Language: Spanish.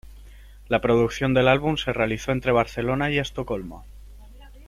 La producción del álbum se realizó entre Barcelona y Estocolmo.